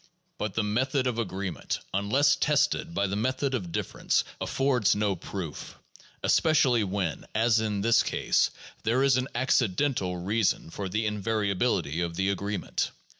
But the method of agreement, unless tested by the method of difference, affords no proof; especially when, as in this ease, there is an accidental reason for the invariability of the agreement.